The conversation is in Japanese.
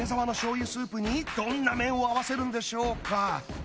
油スープにどんな麺を合わせるんでしょうか？